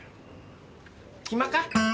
暇か？